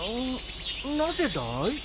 なぜだい？